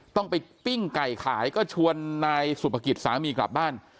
ต้องไปปิ้งไก่ขายก็ชวนนายสุภกิจสามีกลับบ้าน